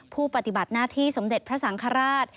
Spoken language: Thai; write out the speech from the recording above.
ปฏิบัติหน้าที่สมเด็จพระสังฆราช